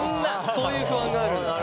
そういう不安があるんだ。